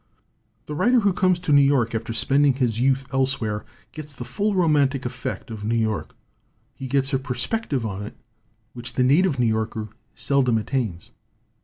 The writer who comes to New York after spending his youth elsewhere gets the full romantic effect of New York ; he gets a perspective on it which the native New Yorker seldom attains.